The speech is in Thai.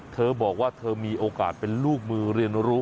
เธอบอกว่าเธอมีโอกาสเป็นลูกมือเรียนรู้